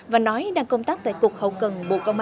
và nói đang công tác tại cuộc hậu cần